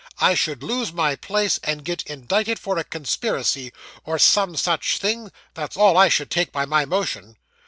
I should lose my place, and get indicted for a conspiracy, or some such thing; that's all I should take by my motion.